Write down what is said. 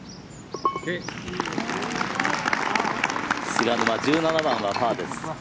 菅沼、１７番はパーです。